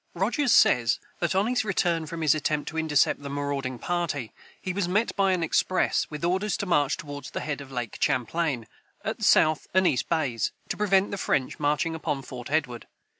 [Footnote 53: Rogers says that, on his return from his attempt to intercept the marauding party, he was met by an express, with orders to march toward the head of Lake Champlain, at South and East bays, to prevent the French marching upon Fort Edward.